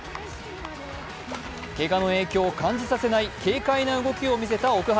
けがの影響を感じさせない軽快な動きを見せた奥原。